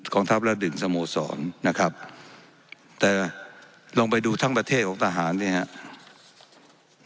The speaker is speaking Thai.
ทัพละหนึ่งสโมสรนะครับแต่ลองไปดูทั้งประเทศของทหารเนี่ยครับ